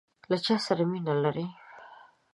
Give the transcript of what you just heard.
له چاسره مینه لرئ؟